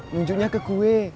munculnya ke gue